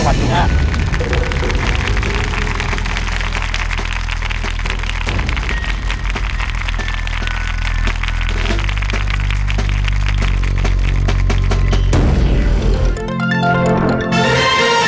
สวัสดีครับ